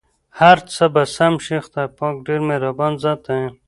هرڅه به سم شې٬ خدای پاک ډېر مهربان ذات دی.